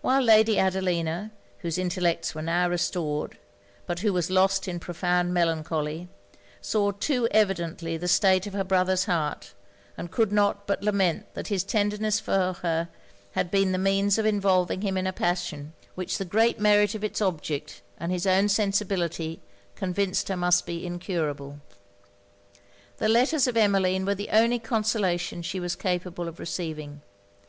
While Lady Adelina, whose intellects were now restored, but who was lost in profound melancholy, saw too evidently the state of her brother's heart; and could not but lament that his tenderness for her had been the means of involving him in a passion, which the great merit of it's object, and his own sensibility, convinced her must be incurable. The letters of Emmeline were the only consolation she was capable of receiving.